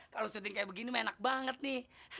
kalau syuting kayak begini enak banget nih